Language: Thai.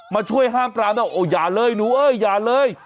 มาช่วยห้ามปรามแล้วโอ้อย่าเลยหนูเอ้ยอย่าเลย